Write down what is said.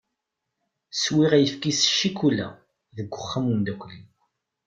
Swiɣ ayefki s cikula deg uxxam n umdakkel-iw.